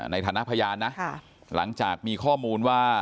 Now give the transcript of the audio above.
ในฐานะพยานนะหลังจากมีข้อมูลว่า